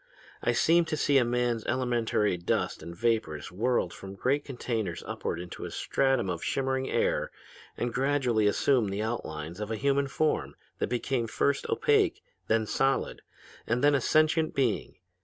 I seemed to see man's elementary dust and vapors whirled from great containers upward into a stratum of shimmering air and gradually assume the outlines of a human form that became first opaque, then solid, and then a sentient being.